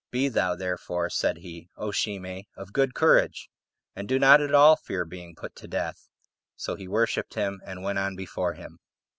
Be thou, therefore," said he, "O Shimei, of good courage, and do not at all fear being put to death." So he worshipped him, and went on before him.